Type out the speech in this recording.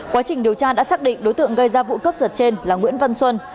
quá trình điều tra đã xác định đối tượng gây ra vụ cướp giật trên là nguyễn văn xuân